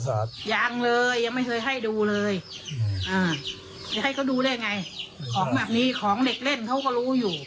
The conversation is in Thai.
ของแบบนี้ของเหล็กเล่นเขาก็รู้อยู่